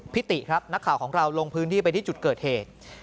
ติครับนักข่าวของเราลงพื้นที่ไปที่จุดเกิดเหตุ